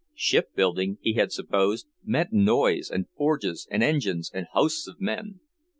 Shipbuilding, he had supposed, meant noise and forges and engines and hosts of men.